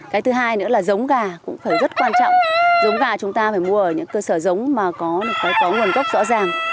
cái thứ hai nữa là giống gà cũng phải rất quan trọng giống gà chúng ta phải mua ở những cơ sở giống mà có nguồn gốc rõ ràng